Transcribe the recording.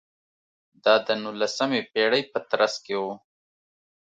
دا د نولسمې پېړۍ په ترڅ کې و.